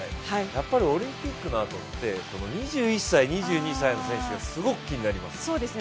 やっぱりオリンピックのあとって２１歳、２２歳の選手がすごく気になります。